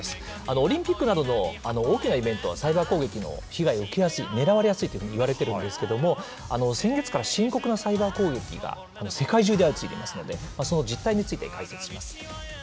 オリンピックなどの大きなイベントはサイバー攻撃の被害を受けやすい、狙われやすいというふうにいわれてるんですけれども、先月から深刻なサイバー攻撃が世界中で相次いでますので、その実態について解説します。